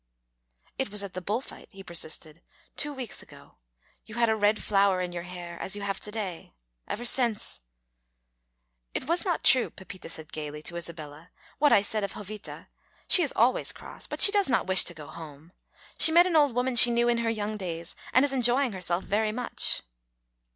"It was at the bull fight," he persisted. "Two weeks ago. You had a red flower in your hair, as you have to day. Ever since " "It was not true," Pepita said gayly, to Isabella, "what I said of Jovita. She is always cross, but she does not wish to go home. She met an old woman she knew in her young days, and is enjoying herself very much."